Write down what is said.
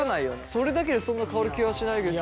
それだけでそんな変わる気はしないけど。